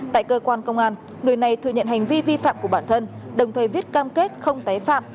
tại cơ quan công an người này thừa nhận hành vi vi phạm của bản thân đồng thời viết cam kết không tái phạm